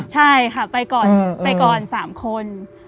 ใช่ค่ะไปก่อน๓คน